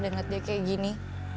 dengan dia kayak gini